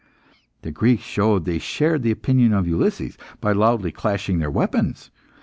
The Greeks showed they shared the opinion of Ulysses, by loudly clashing their weapons.